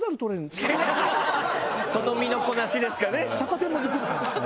その身のこなしですかね。